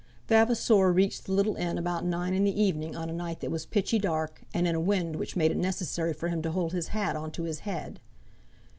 Vavasor reached the little inn about nine in the evening on a night that was pitchy dark, and in a wind which made it necessary for him to hold his hat on to his head.